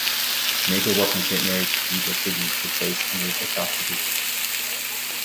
Major work on Saint Mary's Cathedral, Sydney took place under his episcopacy.